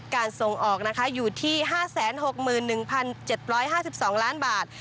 การส่งออกอยู่ที่๕๖๑๗๕๒ล้านบาท